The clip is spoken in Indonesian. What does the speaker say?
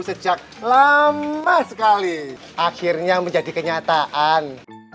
sejak lama sekali akhirnya menjadi kenyataan